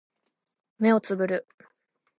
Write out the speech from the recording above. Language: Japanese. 目をつぶる